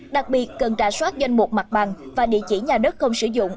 đặc biệt cần trả soát danh mục mặt bằng và địa chỉ nhà đất không sử dụng